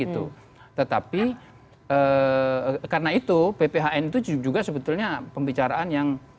tetapi karena itu pphn itu juga sebetulnya pembicaraan yang